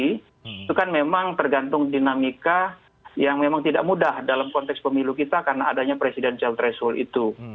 itu kan memang tergantung dinamika yang memang tidak mudah dalam konteks pemilu kita karena adanya presidensial threshold itu